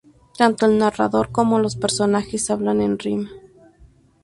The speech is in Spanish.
Tanto el narrador como los personajes hablan en rima.